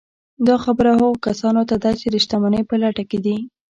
دا خبره هغو کسانو ته ده چې د شتمنۍ په لټه کې دي